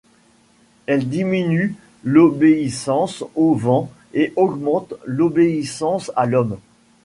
Elle diminue l’obéissance au vent et augmente l’obéissance à l’homme.